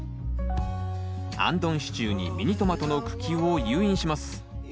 あんどん支柱にミニトマトの茎を誘引します。